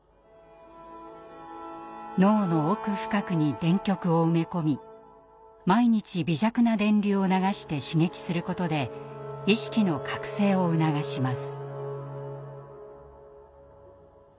脳の奥深くに電極を埋め込み毎日微弱な電流を流して刺激することで意識の覚醒を促します。